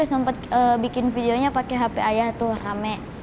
aku sempet bikin videonya pake hp ayah tuh rame